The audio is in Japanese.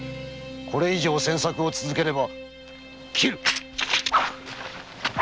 これ以上詮索を続ければ斬る！